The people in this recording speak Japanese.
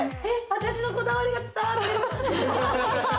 私のこだわりが伝わってる！